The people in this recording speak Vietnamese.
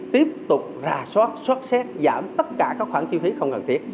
tiếp tục rà soát xót xét giảm tất cả các khoản chi phí không cần thiết